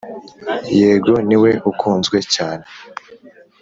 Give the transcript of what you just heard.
yego, niwe ukunzwe cyane.